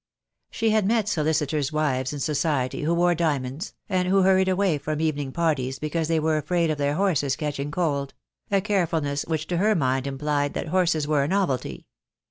She had met solicitors' wives in society who wore diamonds, and who hurried away from evening parties because they were afraid of their horses catching cold — a carefulness which to her mind implied that horses were a novelty.